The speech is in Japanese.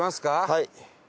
はい。